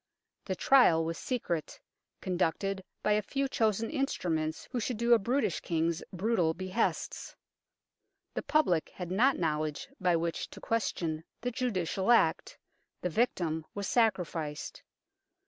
The trial was secret, conducted by a few chosen instruments who should do a brutish King's brutal behests ; the public had not know ledge by which to question the judicial act ; the victim was sacrificed.